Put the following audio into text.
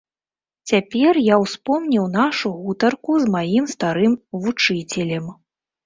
Цяпер я ўспомніў нашу гутарку з маім старым вучыцелем.